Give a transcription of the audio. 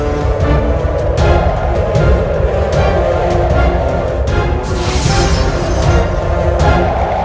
terima kasih pak ma